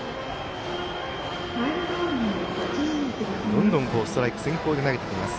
どんどんストライク先行で投げてきます。